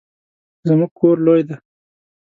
زمونږ کور لوی دی